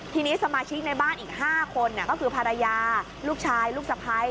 ทีนี้สมาชิกในบ้านอีก๕คนก็คือภรรยาลูกชายลูกสะพ้าย